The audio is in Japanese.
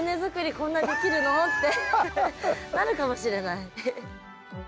こんなできるの？ってなるかもしれない。